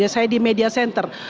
saya di media center